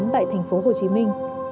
tại thành phố hồ chí minh